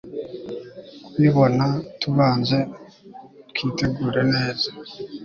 kubibona, tubanze twitegure neza